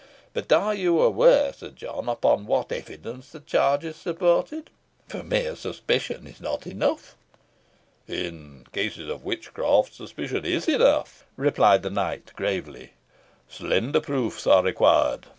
But are you aware, Sir John, upon what evidence the charge is supported for mere suspicion is not enough?" "In cases of witchcraft suspicion is enough," replied the knight, gravely. "Slender proofs are required.